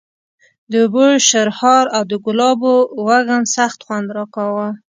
د اوبو شرهار او د ګلابو وږم سخت خوند راکاوه.